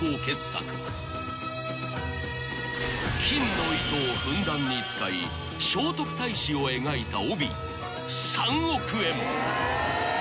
［金の糸をふんだんに使い聖徳太子を描いた］